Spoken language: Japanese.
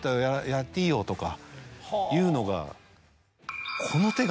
やっていいよ」とか言うのが。